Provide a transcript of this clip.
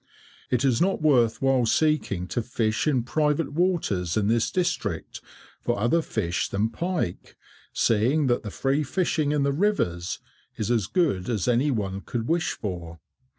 It is not worth while seeking to fish in private waters in this district, for other fish than pike, seeing that the free fishing in the rivers is as good as any one could wish for.